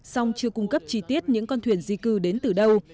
song chưa cung cấp chi tiết những con thuyền di cư đến từ đâu